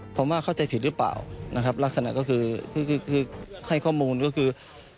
ผมว่าเข้าใจผิดหรือเปล่านะครับลักษณะก็คือคือให้ข้อมูลก็คือ